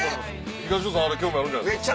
東野さんあれ興味あるんじゃないですか？